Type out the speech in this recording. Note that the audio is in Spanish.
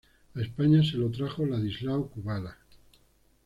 A España se lo trajo Ladislao Kubala.